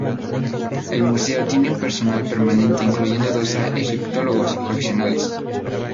El museo tiene un personal permanente incluyendo dos egiptólogos profesionales.